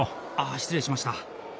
あ失礼しました。